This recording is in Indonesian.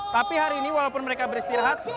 tapi hari ini walaupun mereka beristirahat